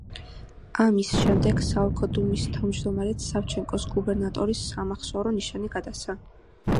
ამის შემდეგ, საოლქო დუმის თავმჯდომარედ სავჩენკოს გუბერნატორის სამახსოვრო ნიშანი გადასცა.